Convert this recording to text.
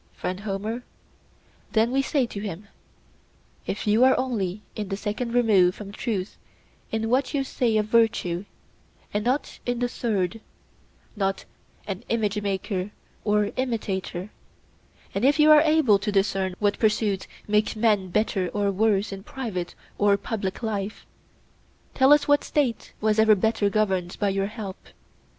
'Friend Homer,' then we say to him, 'if you are only in the second remove from truth in what you say of virtue, and not in the third—not an image maker or imitator—and if you are able to discern what pursuits make men better or worse in private or public life, tell us what State was ever better governed by your help?